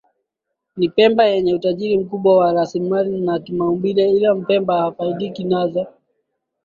Ni Pemba yenye utajiri mkubwa wa rasilimali za kimaumbile ila Mpemba hafaidiki nazo